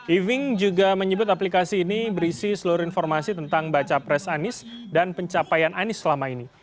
eving juga menyebut aplikasi ini berisi seluruh informasi tentang baca pres anies dan pencapaian anies selama ini